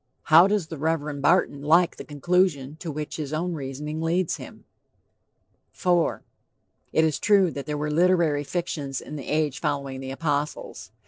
How does the Reverend Barton like the conclusion to which his own reasoning leads him? IV. "It is true that there were literary fictions in the age following the apostles."